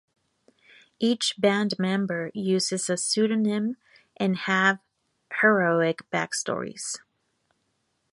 Each band member uses a pseudonym and have heroic backstories.